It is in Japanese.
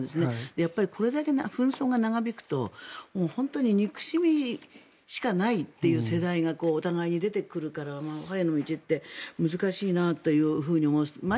やっぱりこれだけ紛争が長引くと憎しみしかないという世代がお互いに出てくるから和平への道って難しいなって思います。